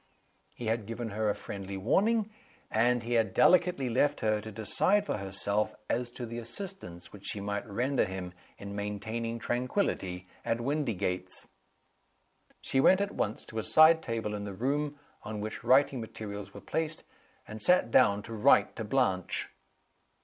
He had given her a friendly warning; and he had delicately left her to decide for herself as to the assistance which she might render him in maintaining tranquillity at Windygates. She went at once to a side table in the room, on which writing materials were placed, and sat down to write to Blanche.